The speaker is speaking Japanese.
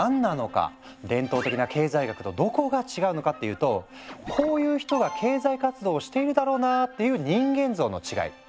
伝統的な経済学とどこが違うのかっていうとこういう人が経済活動をしているだろうなっていう人間像の違い。